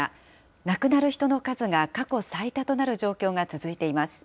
亡くなる人の数が過去最多となる状況が続いています。